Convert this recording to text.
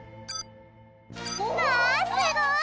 あすごい！